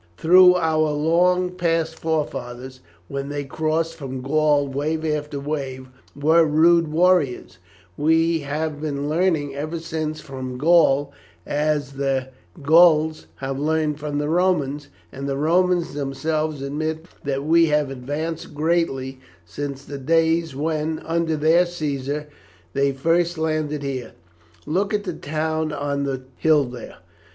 Though our long past forefathers, when they crossed from Gaul wave after wave, were rude warriors, we have been learning ever since from Gaul as the Gauls have learned from the Romans, and the Romans themselves admit that we have advanced greatly since the days when, under their Caesar, they first landed here. Look at the town on the hill there.